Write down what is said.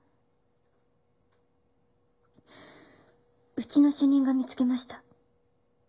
うちの主任が見つけました。